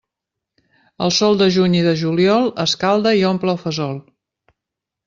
El sol de juny i de juliol escalda i omple el fesol.